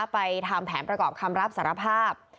ทำแผนประกอบคำรับสารภาพ